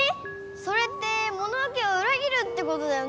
それってモノノ家をうら切るってことだよね？